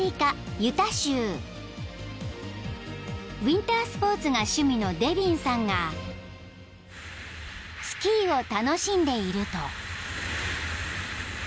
［ウインタースポーツが趣味のデヴィンさんがスキーを楽しんでいると］